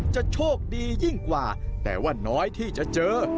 จะโชคดียิ่งกว่าแต่ว่าน้อยที่จะเจอ